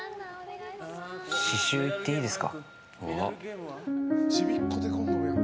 刺しゅう行っていいですか。